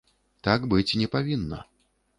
Так быць не павінна.